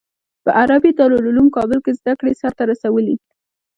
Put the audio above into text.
په عربي دارالعلوم کابل کې زده کړې سر ته رسولي.